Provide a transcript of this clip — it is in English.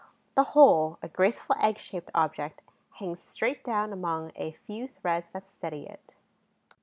The whole, a graceful egg shaped object, hangs straight down among a few threads that steady it.